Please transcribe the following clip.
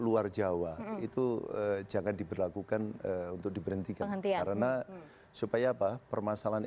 luar jawa itu jangan diberlakukan untuk diberhentikan karena supaya apa permasalahan